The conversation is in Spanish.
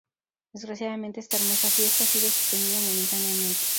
Desgraciadamente esta hermosa fiesta ha sido suspendida momentáneamente.